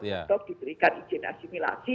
untuk diberikan izin asimilasi